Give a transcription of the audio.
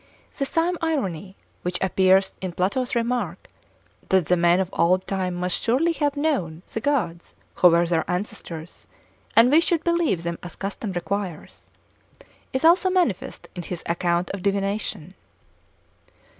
The same irony which appears in Plato's remark, that 'the men of old time must surely have known the gods who were their ancestors, and we should believe them as custom requires,' is also manifest in his account of divination.